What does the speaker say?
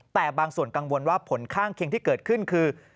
แต่บางส่วนกังวลว่าผลข้างเคียงที่เกิดขึ้นคือ